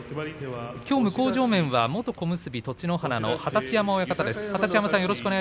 きょう向正面は元小結栃乃花の二十山親方です。